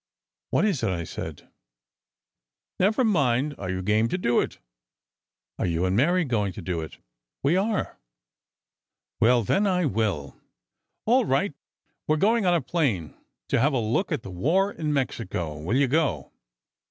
"'What is it?' I said. "'Never mind; are you game to do it?' "'Are you and Mary going to do it?' "'We are.' "'Well, then I will.' "'All right. We're going on a plane to have a look at the war in Mexico. Will you go?